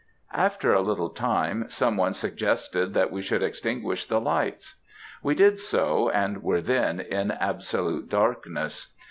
"After a little time, some one suggested that we should extinguish the lights. We did so, and were then in absolute darkness.